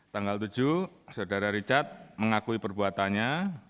tanggal tujuh saudara richard mengakui perbuatannya